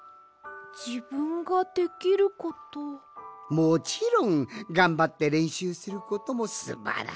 もちろんがんばってれんしゅうすることもすばらしいぞい！